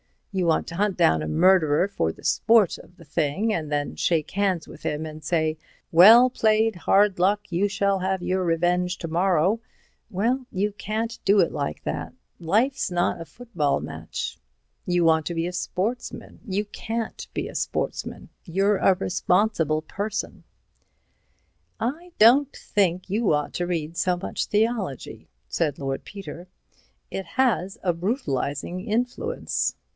You want to hunt down a murderer for the sport of the thing and then shake hands with him and say, 'Well played—hard luck—you shall have your revenge to morrow!' Well, you can't do it like that. Life's not a football match. You want to be a sportsman. You can't be a sportsman. You're a responsible person." "I don't think you ought to read so much theology," said Lord Peter. "It has a brutalizing influence."